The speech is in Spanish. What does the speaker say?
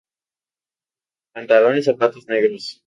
Pantalón y zapatos negros.